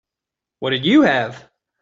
What did you have?